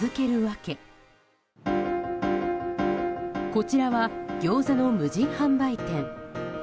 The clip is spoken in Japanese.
こちらはギョーザの無人販売店。